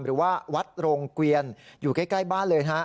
หรือว่าวัดโรงเกวียนอยู่ใกล้บ้านเลยนะฮะ